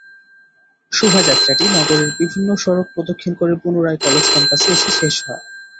শোভাযাত্রাটি নগরের বিভিন্ন সড়ক প্রদক্ষিণ করে পুনরায় কলেজ ক্যাম্পাসে এসে শেষ হয়।